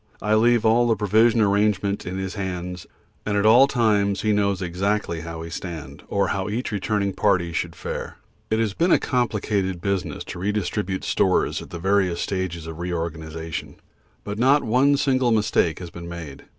I leave all the provision arrangement in his hands, and at all times he knows exactly how we stand, or how each returning party should fare. It has been a complicated business to redistribute stores at various stages of re organisation, but not one single mistake has been made.